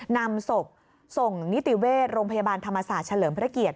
นำศพส่งนิติเวชโรงพยาบาลธรรมศาสตร์เฉลิมพระเกียรติ